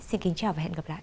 xin kính chào và hẹn gặp lại